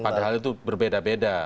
padahal itu berbeda beda